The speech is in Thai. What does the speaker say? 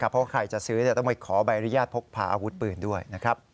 เพราะใครจะซื้อต้องไปขอใบอนุญาตพกพาอาวุธปืนด้วยนะครับ